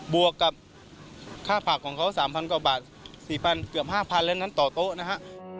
วกกับค่าผักของเขา๓๐๐กว่าบาท๔๐๐เกือบ๕๐๐เล่มนั้นต่อโต๊ะนะฮะ